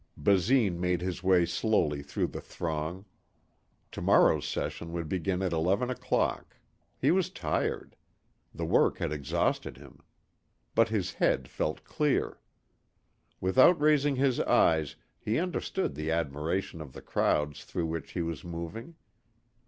Basine made his way slowly through the throng. Tomorrow's session would begin at eleven o'clock. He was tired. The work had exhausted him. But his head felt clear. Without raising his eyes he understood the admiration of the crowds through which he was moving.